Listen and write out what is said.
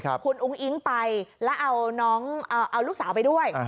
คุณอุ๊งอิ้งไปแล้วเอาลูกสาวไปด้วย